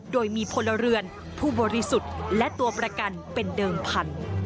โดยมีพลเรือนผู้บริสุทธิ์และตัวประกันเป็นเดิมพันธุ์